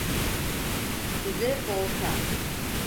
Size bol şans.